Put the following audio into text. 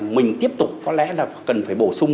mình tiếp tục có lẽ là cần phải bổ sung